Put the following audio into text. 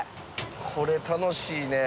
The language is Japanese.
これ楽しいね。